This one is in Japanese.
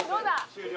終了。